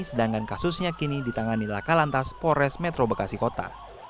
sedangkan kasusnya kini ditangani lakalantas pores metro bekasi kota